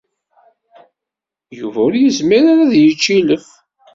Yuba ur yezmir ara ad yečč ilef.